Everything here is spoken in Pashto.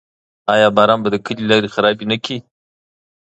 آیا باران به د کلي لارې خرابې نه کړي؟